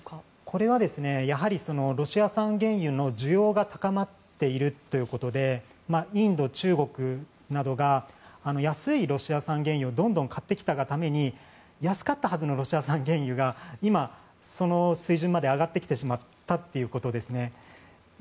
これはやはりロシア産原油の需要が高まっているということでインド、中国などが安いロシア産原油をどんどん買ってきたがために安かったはずのロシア産原油が今、その水準まで上がってきてしまったということですね。